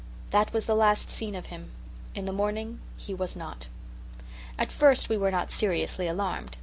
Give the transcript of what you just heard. That was the last seen of him. In the morning he was not. At first we were not seriously alarmed.